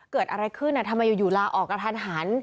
เกิดอะไรขึ้นทำไมอยู่ลาออกกระทันหัน